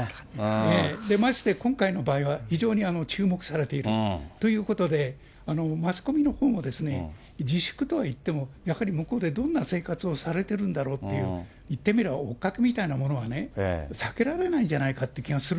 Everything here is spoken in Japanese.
まして今回の場合は、非常に注目されているということで、マスコミのほうも、自粛とはいっても、やはり向こうでどんな生活をされてるんだろうと、行ってみれば追っかけみたいなものは避けられないんじゃないかっ